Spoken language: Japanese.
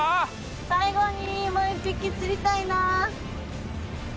最後にもう１匹釣りたいな。